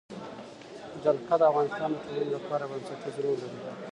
جلګه د افغانستان د ټولنې لپاره بنسټيز رول لري.